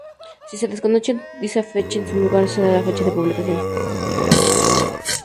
Si se desconoce dicha fecha, en su lugar se da la fecha de publicación.